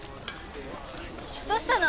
どうしたの？